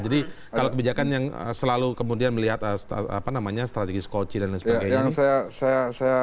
jadi kalau kebijakan yang selalu kemudian melihat strategi skocie dan sebagainya